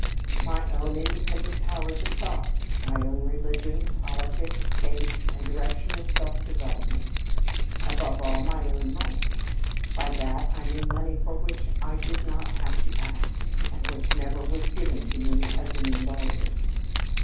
"My own independent powers of thought; my own religion, politics, taste, and direction of self development above all, my own money. By that I mean money for which I did not have to ask and which never was given to me as an indulgence.